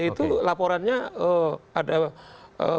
ya itu laporannya eeem ada eeem